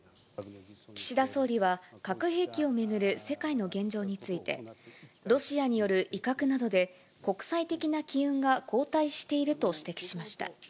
岸田総理は、核兵器を巡る世界の現状について、ロシアによる威嚇などで、国際的な機運が後退していると指摘しました。